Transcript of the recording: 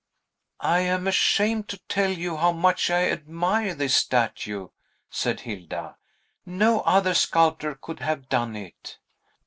"I am ashamed to tell you how much I admire this statue," said Hilda. "No other sculptor could have done it."